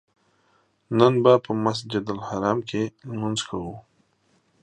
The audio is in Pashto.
نن به په مسجدالحرام کې لمونځ کوو.